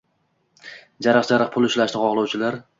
Jaraq-jaraq pul ishlashni xohlovchilar